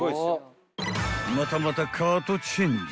［またまたカートチェンジ］